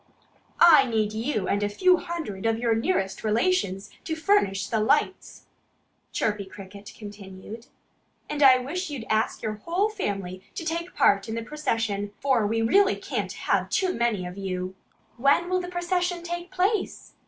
"I need you and a few hundred of your nearest relations to furnish the lights," Chirpy Cricket continued. "And I wish you'd ask your whole family to take part in the procession, for we really can't have too many of you." "When will the procession take place?"